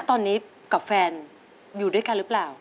ตอนนี้กับแฟนอยู่ด้วยกันหรือเปล่า